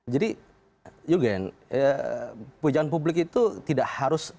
jadi yur gen kebijakan publik itu tidak harus